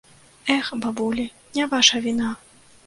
Эх, бабулі, не ваша віна.